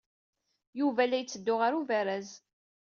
Yuba la yetteddu ɣer ubaraz.